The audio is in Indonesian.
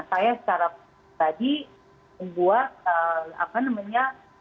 saya secara tadi membuat apa namanya